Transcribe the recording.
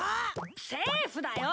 セーフだよ！